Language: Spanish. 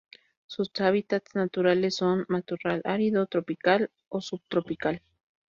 Sus hábitats naturales son: matorral árido tropical o subtropical.